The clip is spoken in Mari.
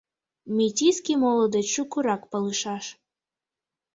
Метиске моло деч шукырак палышаш.